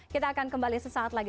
kita akan kembali sesaat lagi